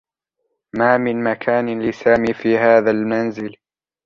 ما من مكان لسامي في هذا المنزل.